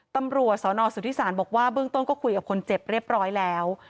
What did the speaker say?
ตำรวจสนสุธิศาลบอกว่าเบื้องต้นก็คุยกับคนเจ็บเรียบร้อยแล้ว